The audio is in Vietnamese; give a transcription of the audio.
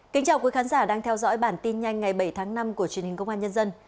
kính chào quý khán giả đang theo dõi bản tin nhanh ngày bảy tháng năm của truyền hình công an nhân dân